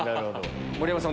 盛山さん